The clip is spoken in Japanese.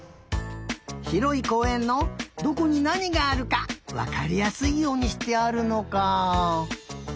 ひろいこうえんのどこになにがあるかわかりやすいようにしてあるのか。